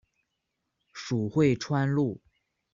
属会川路。